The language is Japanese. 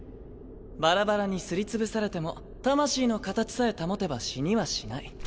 バラバラにすり潰されても魂の形さえ保てば死にはしない。